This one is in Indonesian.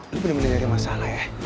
lu bener bener yang masalah ya